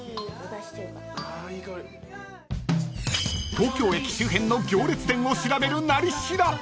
［東京駅周辺の行列店を調べる「なり調」］